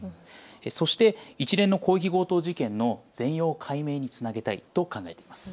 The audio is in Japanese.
そして一連の広域強盗事件の全容解明につなげたいと考えています。